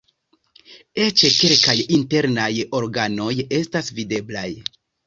Eĉ kelkaj internaj organoj estas videblaj.